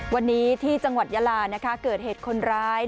วันนี้ที่จังหวัดยาลานะคะเกิดเหตุคนร้าย